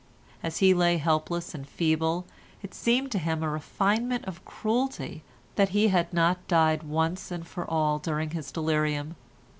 As he lay helpless and feeble, it seemed to him a refinement of cruelty that he had not died once for all during his delirium.